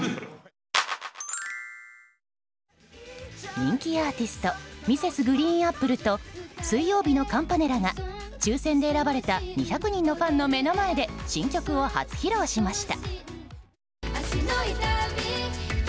人気アーティスト、Ｍｒｓ．ＧＲＥＥＮＡＰＰＬＥと水曜日のカンパネラが抽選で選ばれた２００人のファンの目の前で新曲を初披露しました。